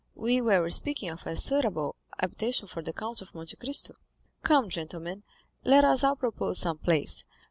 We were speaking of a suitable habitation for the Count of Monte Cristo. Come, gentlemen, let us all propose some place.